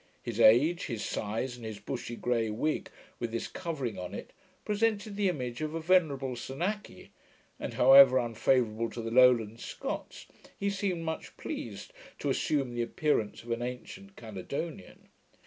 His age, his size, and his bushy grey wig, with this covering on it, presented the image of a venerable senachi: and, however unfavourable to the Lowland Scots, he seemed much pleased to assume the appearance of an ancient Caledonian.